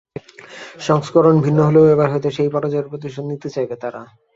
সংস্করণ ভিন্ন হলেও এবার হয়তো সেই পরাজয়ের প্রতিশোধ নিতে চাইবে তারা।